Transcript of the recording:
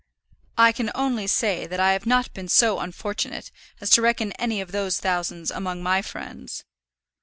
"I can only say that I have not been so unfortunate as to reckon any of those thousands among my friends."